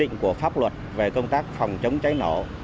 đảm bảo lực lượng của pháp luật về công tác phòng chống cháy nổ